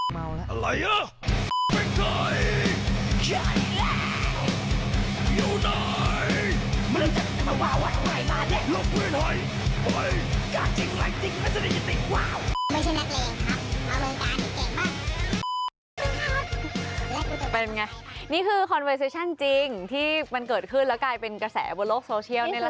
เป็นไงนี่คือคอนเวซิชั่นจริงที่มันเกิดขึ้นแล้วกลายเป็นกระแสบนโลกโซเชียลนี่แหละค่ะ